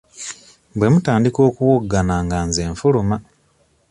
Bwe mutandika okuwoggana nga nze nfuluma.